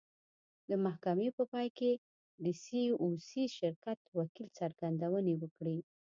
د محکمې په پای کې د سي او سي شرکت وکیل څرګندونې وکړې.